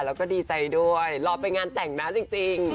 แล้วก็ดีใจด้วยรอไปงานแต่งนะจริง